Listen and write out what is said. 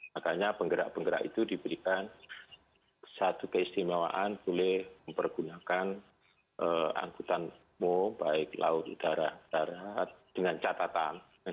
makanya penggerak penggerak itu diberikan satu keistimewaan boleh mempergunakan angkutan umum baik laut udara darat dengan catatan